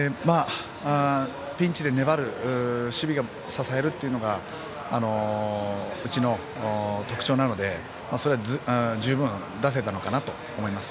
ピンチで粘る守備が支えるというのがうちの特徴なのでそれが十分出せたのかなと思います。